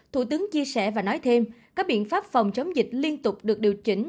thủ tướng chia sẻ và nói thêm các biện pháp phòng chống dịch liên tục được điều chỉnh